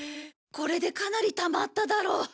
これでかなりたまっただろう。